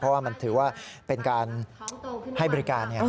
เพราะว่ามันถือว่าเป็นการให้บริการ